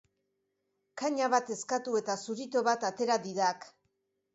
Kaña bat eskatu eta zurito bat atera didak!